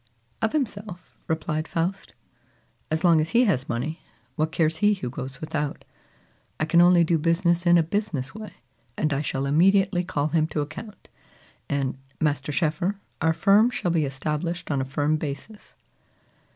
"Of himself," replied Faust. "As long as he has money, what cares he who goes without? I can only do business in a business way; and I shall immediately call him to account; and, Master Schoeffer, our firm shall be established on a firm basis."